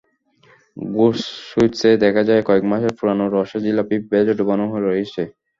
ঘোষ সুইটসে দেখা যায়, কয়েক মাসের পুরোনো রসে জিলাপি ভেজে ডুবানো রয়েছে।